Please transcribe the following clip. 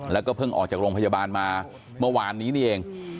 แล้วก็เพิ่งออกจากโรงพยาบาลมาเมื่อวานนี้นี่เอง